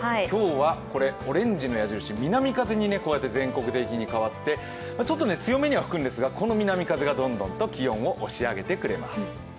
今日は、これオレンジの矢印、南風に全国的に変わって、ちょっと強めには吹くんですがこの南風がどんどんと気温を押し上げてくれます。